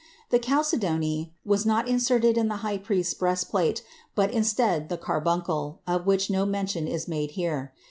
The chalcedony was not inserted in the high priest's breastplate, but instead the carbuncle, of which no mention is made here.